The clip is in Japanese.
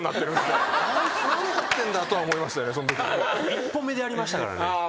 １歩目でやりましたからね。